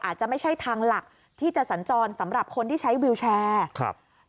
อาจจะไม่ใช่ทางหลักที่จะสัญจรสำหรับคนที่ใช้วิวแชร์ครับ